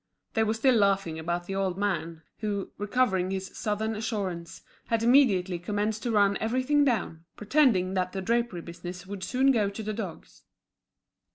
They were still laughing about the old man, who, recovering his Southern assurance, had immediately commenced to run everything down, pretending that the drapery business would soon go to the dogs.